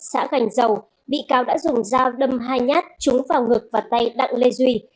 xã gành dầu bị cáo đã dùng dao đâm hai nhát trúng vào ngực và tay đặng lê duy